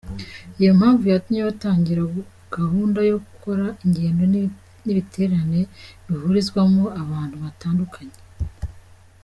Iyo mpamvu yatumye batangira gahunda yo gukora ingendo n’ibiterane bihurizwamo abantu batandukanye.